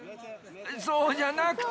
そうじゃなくて。